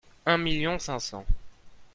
Un million cinq cents.